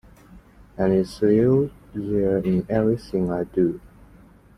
And it's still there in everything I do.